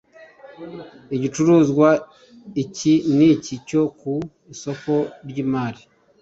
igicuruzwa iki n iki cyo ku isoko ry imari